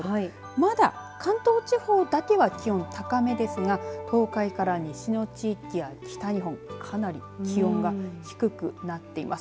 まだ関東地方だけは気温、高めですが東海から西の地域や北日本かなり気温が低くなっています。